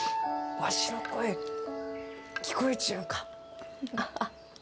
わしの声聞こえちゅうんか？